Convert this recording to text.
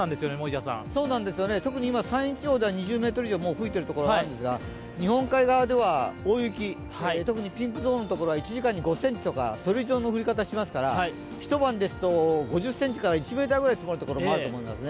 特に今、山陰地方２０メートル以上吹いているところもあるんですが日本海側では大雪、特にピンクゾーンのところは１時間に５ｃｍとかそれ以上の降り方しますので、一晩で１ｍぐらい積もるところがありますね。